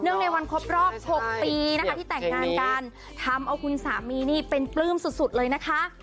ในวันครบรอบ๖ปีนะคะที่แต่งงานกันทำเอาคุณสามีนี่เป็นปลื้มสุดสุดเลยนะคะ